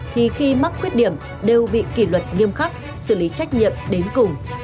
thì khi mắc khuyết điểm đều bị kỷ luật nghiêm khắc xử lý trách nhiệm đến cùng